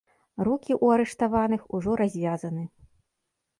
Рукі ў арыштаваных ужо развязаны.